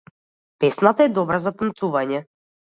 Песната е добра за танцување.